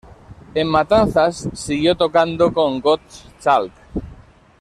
En Matanzas siguió tocando con Gottschalk.